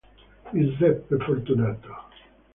Giuseppe Fortunato